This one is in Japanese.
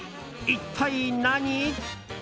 一体何？